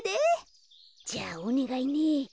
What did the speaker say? じゃあおねがいね。